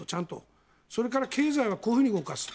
それから、経済はこういうふうに動かすと。